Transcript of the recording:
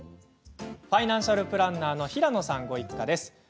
ファイナンシャルプランナーの平野さんご一家です。